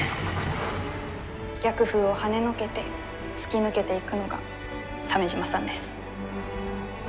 逆風をはねのけて突き抜けていくのが鮫島さんです。